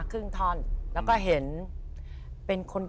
เห้ยฮึย